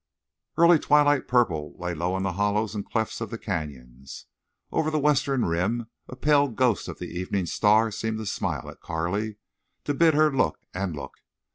Early twilight purple lay low in the hollows and clefts of the canyon. Over the western rim a pale ghost of the evening star seemed to smile at Carley, to bid her look and look.